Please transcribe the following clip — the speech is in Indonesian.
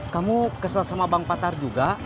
kamu kesel sama bank patar juga